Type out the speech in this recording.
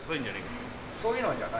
そういうのじゃない？